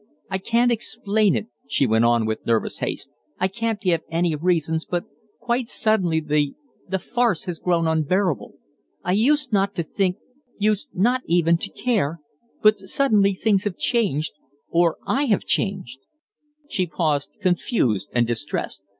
"I can't explain it," she went on with nervous haste, "I can't give any reasons, but quite suddenly the the farce has grown unbearable. I used not to think used not even to care but suddenly things have changed or I have changed." She paused, confused and distressed.